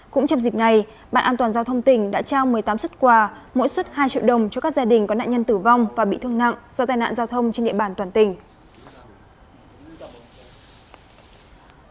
cũng trong dịp này bạn an toàn giao thông tỉnh đã trao một mươi tám xuất quà mỗi xuất hai triệu đồng cho các gia đình có nạn nhân tử vong và bị thương nặng do tai nạn giao thông trên địa bàn toàn tỉnh